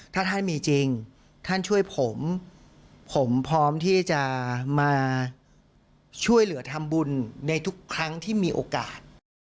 ถ้าท่านมีจริงท่านช่วยผมผมพร้อมที่จะมาช่วยเหลือทำบุญในทุกครั้งที่มีโอกาส